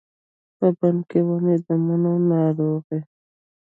په بڼ کې ونې د مڼو، ناروغې